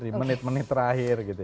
di menit menit terakhir gitu